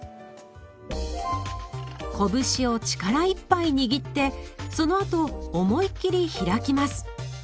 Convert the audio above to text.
こぶしを力いっぱい握ってそのあと思い切り開きます。